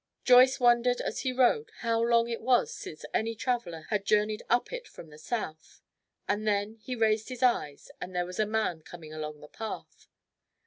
Joyce wondered as he rode how long it was since any traveller had journeyed up it from the south, and then he raised his eyes, and there was a man coming along the path.